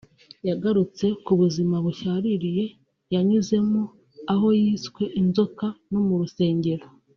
yagarutse ku buzima bushaririye yanyuzemo aho yiswe inzoka no mu rusengero